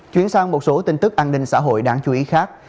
chuyển sang một số tin tức an ninh xã hội đáng chú ý khác